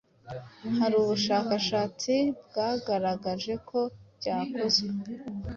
hari ubushakashatsi bwagaragaje ko byakozwe